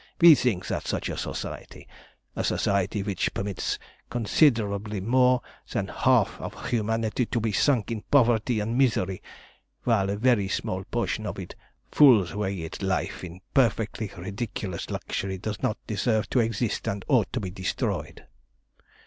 "We think that such a Society a Society which permits considerably more than the half of humanity to be sunk in poverty and misery while a very small portion of it fools away its life in perfectly ridiculous luxury does not deserve to exist, and ought to be destroyed.